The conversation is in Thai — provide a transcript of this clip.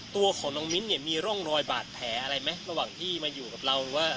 ตัวของน้องมิ้นเนี่ยมีร่องรอยบาดแผลอะไรไหมระหว่างที่มาอยู่กับเราหรือว่า